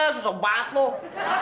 susah banget tuh